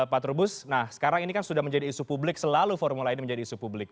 pak trubus nah sekarang ini kan sudah menjadi isu publik selalu formula ini menjadi isu publik